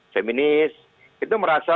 feminis itu merasa